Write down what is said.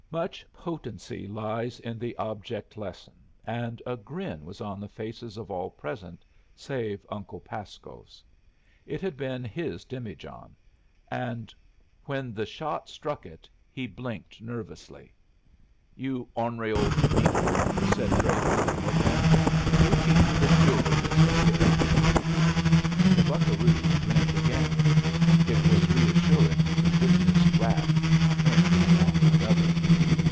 Much potency lies in the object lesson, and a grin was on the faces of all present, save Uncle Pasco's. It had been his demijohn, and when the shot struck it he blinked nervously. "You ornery old mink!" said Drake, looking at him. "You keep to the jewelry business hereafter." The buccaroos grinned again. It was reassuring to witness wrath turn upon another.